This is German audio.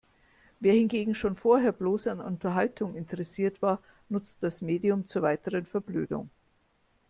Wer hingegen schon vorher bloß an Unterhaltung interessiert war, nutzt das Medium zur weiteren Verblödung.